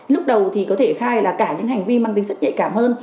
lúc đầu thì có thể khai là cả những hành vi mang tính rất nhạy cảm hơn